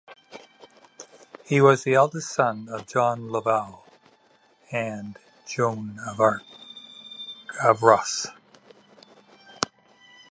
He was the eldest son of John Lovel and Joan de Ros.